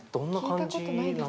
聴いたことないですね。